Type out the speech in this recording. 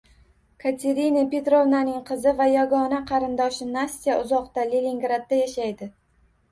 Katerina Petrovnaning qizi va yagona qarindoshi Nastya uzoqda, Leningradda yashaydi.